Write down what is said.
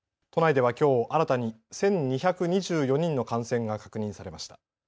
都内ではきょう新たに１２２４人の感染が確認されました。